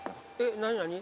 何？